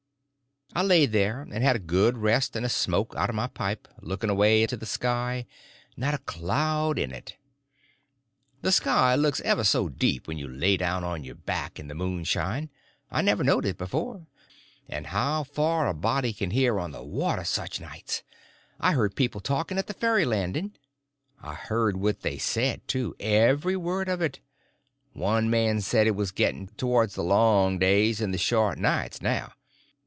I laid there, and had a good rest and a smoke out of my pipe, looking away into the sky; not a cloud in it. The sky looks ever so deep when you lay down on your back in the moonshine; I never knowed it before. And how far a body can hear on the water such nights! I heard people talking at the ferry landing. I heard what they said, too—every word of it. One man said it was getting towards the long days and the short nights now.